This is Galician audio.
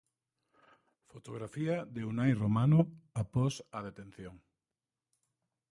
Fotografía de Unai Romano após a detención.